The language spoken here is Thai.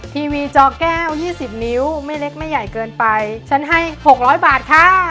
ทีวีจอแก้ว๒๐นิ้วไม่เล็กไม่ใหญ่เกินไปฉันให้๖๐๐บาทค่ะ